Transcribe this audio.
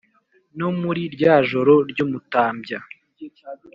no muri rya joro ry'umutambya